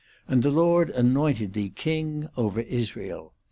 and the Lord anointed thee king overlsrael.